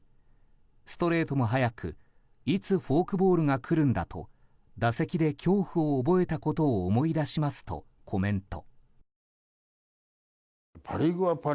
ストレートも速くいつフォークボールが来るんだと打席で恐怖を覚えたことを思い出しますとコメント。